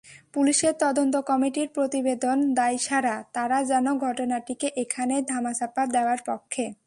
পুলিশের তদন্ত কমিটির প্রতিবেদন দায়সারা, তারা যেন ঘটনাটিকে এখানেই ধামাচাপা দেওয়ার পক্ষে।